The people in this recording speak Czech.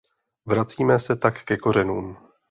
Vracíme se tak ke kořenům.